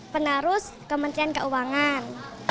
penarus kementerian keuangan